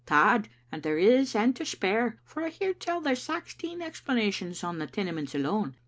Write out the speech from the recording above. " Tod, and there is and to spare, for I hear tell there's saxteen explanations in the Tenements alone.